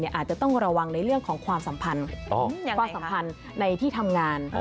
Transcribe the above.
อาจจะต้องระวังในเรื่องของความสัมพันธ์ในที่ทำงาน